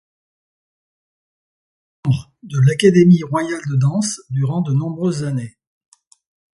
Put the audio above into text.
Il fut membre de l'Académie royale de danse durant de nombreuses années.